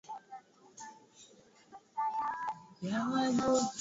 wasanii wengi wakazidi kuibuka kila kukicha mpaka leo hii Bongo Fleva inapopepea kimataifa Hip